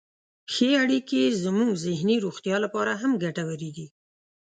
ښې اړیکې زموږ ذهني روغتیا لپاره هم ګټورې دي.